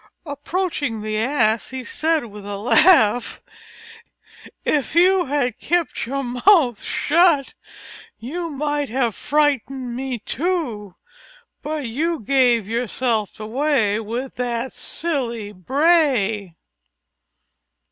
Approaching the Ass, he said with a laugh: "If you had kept your mouth shut you might have frightened me, too. But you gave yourself away with that silly bray."